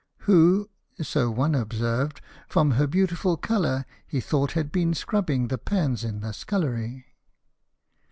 '' Who," so one observed, " from her beautiful colour, he Thought had been scrubbing the pans in the scullery."